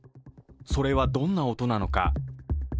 それはどんな音なのか。